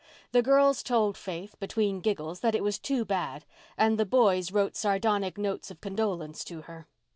The girls told Faith, between giggles, that it was too bad, and the boys wrote sardonic notes of condolence to her.